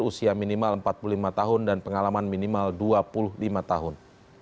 usia minimal empat puluh lima tahun dan pengalaman minimal dua puluh lima tahun